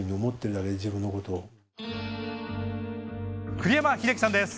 栗山英樹さんです。